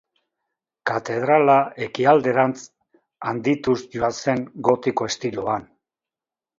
Katedrala ekialderantz handituz joan zen gotiko estiloan.